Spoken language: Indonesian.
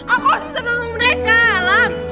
aku harus bisa ngomong mereka alam